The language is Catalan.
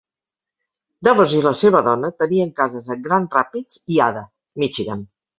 DeVos y la seva dona tenien cases a Grand Rapids i Ada, Michigan.